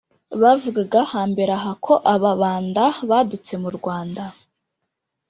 bavugaga hambere aha ko ababanda badutse mu rwanda